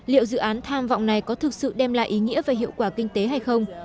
liệu dự án tham vọng này có thực sự đem lại ý nghĩa về hiệu quả kinh tế hay không